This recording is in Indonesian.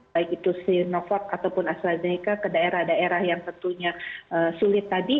baik itu sinovac ataupun astrazeneca ke daerah daerah yang tentunya sulit tadi